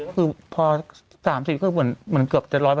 คือพอ๓๐คือเหมือนเกือบจะ๑๐๐